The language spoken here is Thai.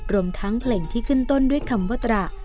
รวมทั้งเพลงที่ขึ้นต้นด้วยคำว่าตระ